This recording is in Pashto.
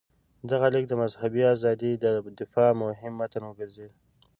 دغه لیک د مذهبي ازادۍ د دفاع مهم متن وګرځېد.